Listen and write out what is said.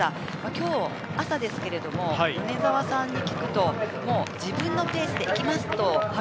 今日の朝ですけれども、米澤さんに聞くと、自分のペースで行きま